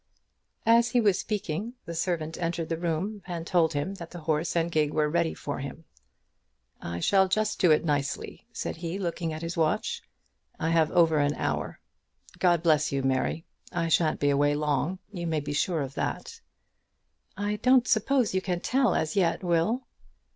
As he was speaking the servant entered the room, and told him that the horse and gig were ready for him. "I shall just do it nicely," said he, looking at his watch. "I have over an hour. God bless you, Mary. I shan't be away long. You may be sure of that." "I don't suppose you can tell as yet, Will."